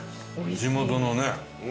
地元のね。